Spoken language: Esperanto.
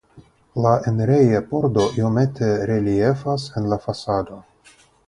La enireja pordo iomete reliefas en la fasado.